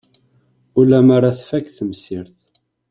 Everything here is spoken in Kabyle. Ula mi ara tfak temsirt.